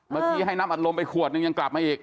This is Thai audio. เมื่อกี้ให้น้ำอัดลมไปขวดนึงยังกลับมาอีก